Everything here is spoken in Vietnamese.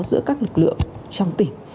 giữa các lực lượng trong tỉnh